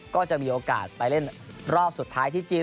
ก็จะมีโอกาสไปเล่นรอบสุดท้ายที่จีน